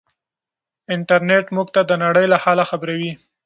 انټرنيټ موږ ته د نړۍ له حاله خبروي.